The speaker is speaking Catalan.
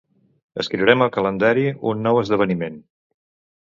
Escriure'm al calendari un nou esdeveniment.